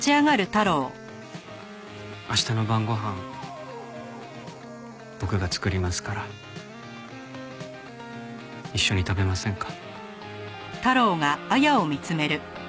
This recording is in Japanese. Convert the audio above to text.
明日の晩ご飯僕が作りますから一緒に食べませんか？